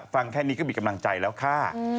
ฟังแค่นี้ก็มีกำลังใจแล้วค่ะ